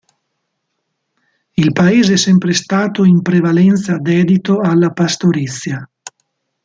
Il paese è sempre stato in prevalenza dedito alla pastorizia.